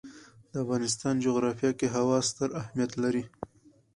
د افغانستان جغرافیه کې هوا ستر اهمیت لري.